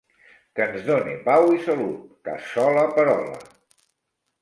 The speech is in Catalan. Que ens done pau i salut! Cassola perola!